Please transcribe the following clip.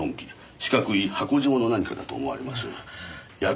四角い箱状の何かだと思われます。